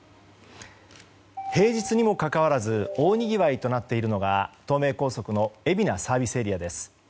平日にもかかわらず大にぎわいとなっているのが東名高速の海老名ＳＡです。